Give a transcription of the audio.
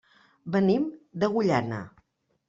Venim d'Agullana.